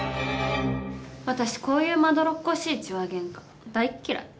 私こういうまどろっこしい痴話げんか大っ嫌い。